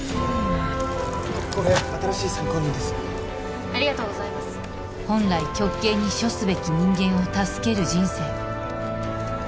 ここれ新しい参考人ですありがとうございます本来極刑に処すべき人間を助ける人生